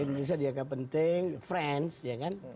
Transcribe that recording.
indonesia dianggap penting friends ya kan